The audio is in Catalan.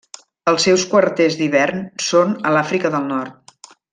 Els seus quarters d'hivern són a l'Àfrica del Nord.